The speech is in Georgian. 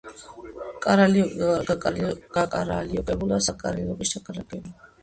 კარალიოკი გაკარალიოკებულა საკარალიოკეში ჩაკარალიოკებულა.